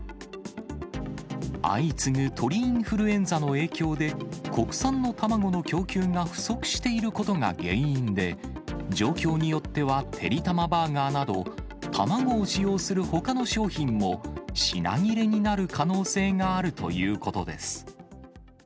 相次ぐ鳥インフルエンザの影響で、国産の卵の供給が不足していることが原因で、状況によってはてりたまバーガーなど、卵を使用するほかの商品も、品切れになる可能性があるということです。